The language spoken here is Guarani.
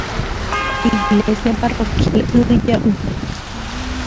Iglesia Parroquial Yvyjaʼu.